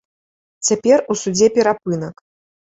Цяпер у судзе перапынак.